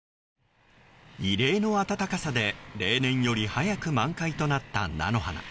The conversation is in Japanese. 異例の暖かさで例年より早く満開となった菜の花。